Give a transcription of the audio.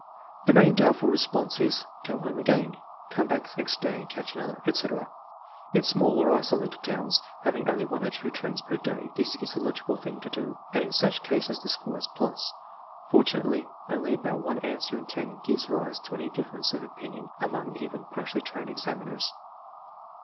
The main doubtful response is, "Go home again," Come back next day and catch another," etc. In small or isolated towns having only one or two trains per day, this is the logical thing to do, and in such cases the score is plus. Fortunately, only about one answer in ten gives rise to any difference of opinion among even partly trained examiners.